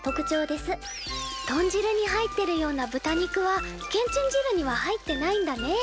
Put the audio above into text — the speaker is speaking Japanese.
豚汁に入ってるような豚肉はけんちん汁には入ってないんだね。